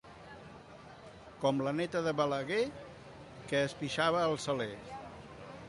Com la Neta de Balaguer, que es pixava al saler.